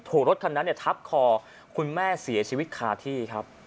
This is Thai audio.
รถคันนั้นทับคอคุณแม่เสียชีวิตคาที่ครับ